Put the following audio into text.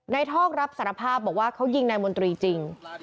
นายทอกรับสัญภาพว่าเขายิงระเบิดในหมุนตรีจริง